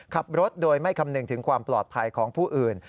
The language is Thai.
ขับรถโดยไม่คำนึงถึงความปลอดภัยของผู้อื่น